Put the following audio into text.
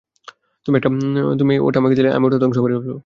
তুমি ওটা আমাকে দিলে আমি ওটা ধ্বংস করে ফেলবো।